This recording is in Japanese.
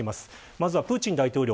まずはプーチン大統領